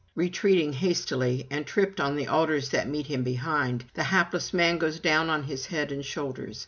Retreating hastily, and tripped on the altars that meet him behind, the hapless man goes down on his head and shoulders.